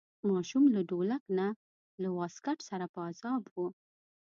ماشوم له ډولک نه له واسکټ سره په عذاب و.